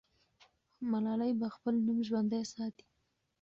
ملالۍ به خپل نوم ژوندی ساتي.